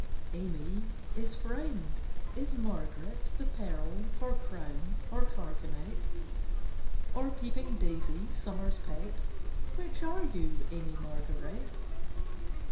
"Amy" is friend, is "Margaret" The pearl for crown or carkanet? Or peeping daisy, Summer's pet? Which are you, Amy Margaret?